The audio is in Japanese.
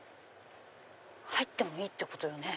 入ってもいいってことよね？